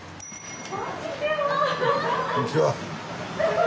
こんにちは。